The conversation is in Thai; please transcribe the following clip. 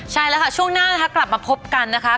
ใช่แล้วค่ะช่วงหน้านะคะกลับมาพบกันนะคะ